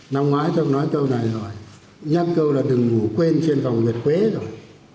năm ngoái tôi nói câu này rồi nhắc câu là đừng ngủ quên trên vòng việt quế rồi